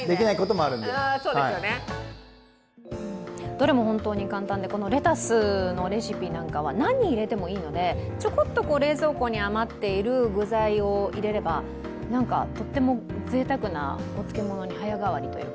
どれも本当に簡単で、レタスのレシピなんかは何入れてもいいので、ちょこっと冷蔵庫に余っている具材を入れればとってもぜいたくなお漬物に早変わりという。